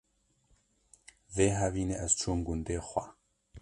Vê havînê ez çûm gundê xwe